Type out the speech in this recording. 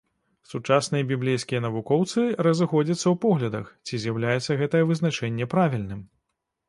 Сучасныя біблейскія навукоўцы разыходзяцца ў поглядах, ці з'яўляецца гэтае вызначэнне правільным.